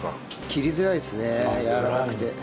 切りづらいですねやわらかくて。